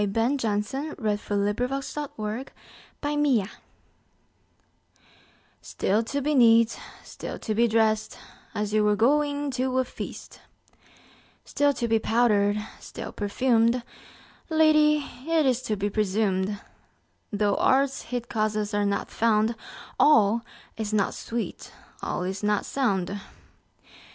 Ben Jonson. 1573–1637 186. Simplex Munditiis STILL to be neat, still to be drest, As you were going to a feast; Still to be powder'd, still perfumed: Lady, it is to be presumed, Though art's hid causes are not found, 5 All is not sweet, all is not sound.